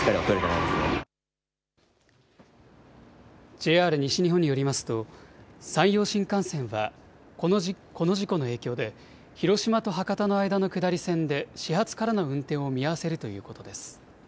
ＪＲ西日本によりますと、山陽新幹線はこの事故の影響で、広島と博多の間の下り線で、始発からの運転を見合わせるということです。